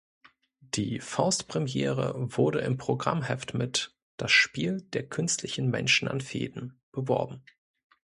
Die Faust-Premiere wurde im Programmheft mit „Das Spiel der künstlichen Menschen an Fäden“ beworben.